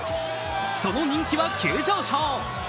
その人気は急上昇。